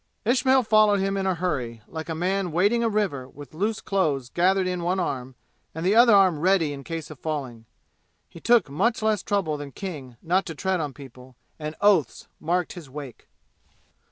Ismail followed him in a hurry, like a man wading a river with loose clothes gathered in one arm and the other arm ready in case of falling. He took much less trouble than King not to tread on people, and oaths' marked his wake.